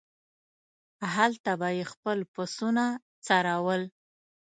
هلته به یې خپل پسونه څرول.